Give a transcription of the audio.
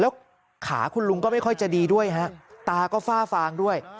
แล้วขาคุณลุงก็ไม่ค่อยจะดีด้วยฮะตาก็ฝ้าฟางด้วย